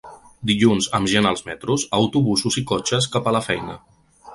Dilluns amb gent als metros, autobusos i cotxes cap a la feina.